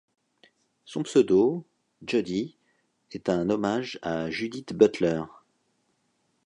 Son pseudo, Judy, est un hommage à Judith Butler.